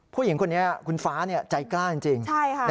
ผู้หญิงคนนี้คุณฟ้าใจกล้าจริง